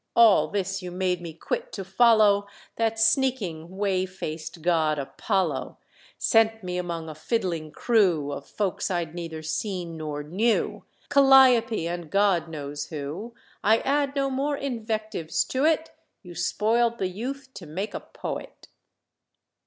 All this you made me quit to follow That sneaking, whey faced god, Apollo; Sent me among a fiddling crew Of folks I'd neither seen nor knew, Calliope and God knows who, I add no more invectives to it: You spoiled the youth to make a poet."